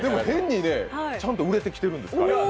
変にね、でもちゃんと売れてきてるんです。